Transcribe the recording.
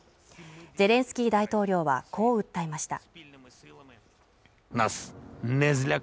ゼレンスキー大統領はこう訴えました